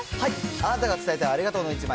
あなたが伝えたいありがとうの１枚。